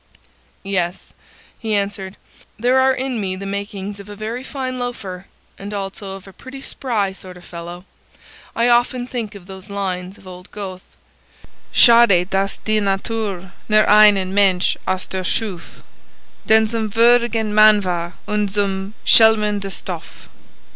"Yes," he answered, "there are in me the makings of a very fine loafer and also of a pretty spry sort of fellow. I often think of those lines of old Goethe,— Schade dass die Natur nur einen Mensch aus Dir schuf, Denn zum würdigen Mann war und zum Schelmen der Stoff.